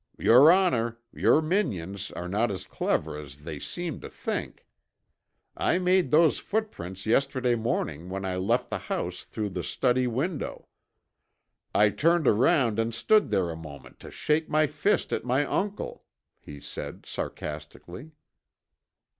"Your honor, your minions are not as clever as they seem to think. I made those footprints yesterday morning when I left the house through the study window. I turned around and stood there a moment to shake my fist at my uncle," he said, sarcastically.